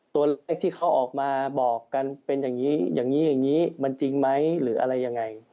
ไอ้ที่เขาออกมาบอกกันเป็นอย่างนี้อย่างนี้มันจริงไหมหรืออะไรยังไง